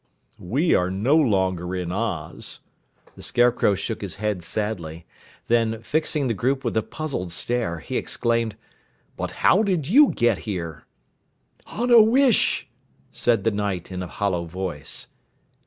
"We are no longer in Oz." The Scarecrow shook his head sadly. Then, fixing the group with a puzzled stare, he exclaimed, "But how did you get here?" "On a wish," said the Knight in a hollow voice.